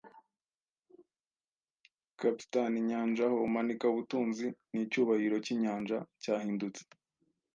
capstan. Inyanja, ho! Manika ubutunzi! Nicyubahiro cyinyanja cyahindutse